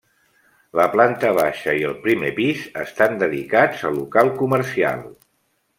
La planta baixa i el primer pis estan dedicats a local comercial.